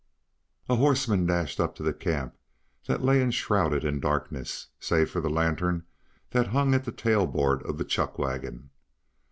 A horseman dashed up to the camp that lay enshrouded in darkness, save for the lantern that hung at the tail board of the chuck wagon.